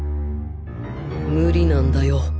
無理なんだよ。